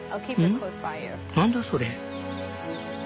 何だそれ？